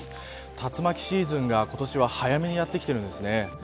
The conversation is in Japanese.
竜巻シーズンが今年は早めにやってきてるんですね。